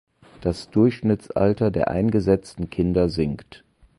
Das Durchschnittsalter der eingesetzten Kinder sinkt.